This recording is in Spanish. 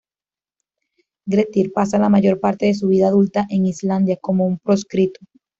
Grettir pasa la mayor parte de su vida adulta en Islandia como un proscrito.